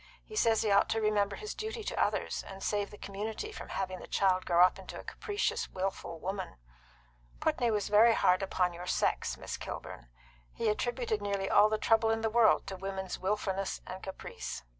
He says he ought to remember his duty to others, and save the community from having the child grow up into a capricious, wilful woman. Putney was very hard upon your sex, Miss Kilburn. He attributed nearly all the trouble in the world to women's wilfulness and caprice."